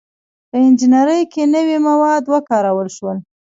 • په انجینرۍ کې نوي مواد وکارول شول.